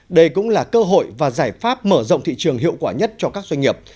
đây cũng là cơ hội và giải pháp mở rộng thị trường hiệu quả nhất cho các doanh nghiệp